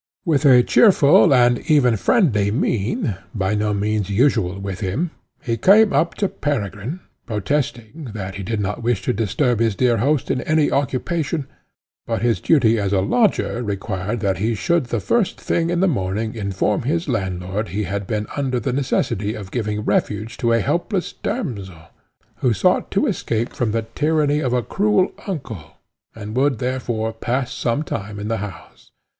With a cheerful and even friendly mien, by no means usual with him, he came up to Peregrine, protesting, that he did not wish to disturb his dear host in any occupation, but his duty as a lodger required that he should the first thing in the morning inform his landlord he had been under the necessity of giving refuge to a helpless damsel, who sought to escape from the tyranny of a cruel uncle, and would, therefore, pass some time in the house.